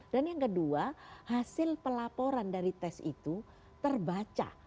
yang kedua hasil pelaporan dari tes itu terbaca